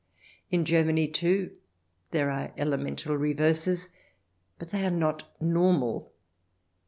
In Germany, too, there are elemental reverses, but they are not normal.